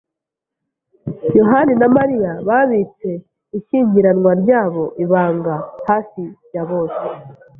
yohani na Mariya babitse ishyingiranwa ryabo ibanga hafi ya bose.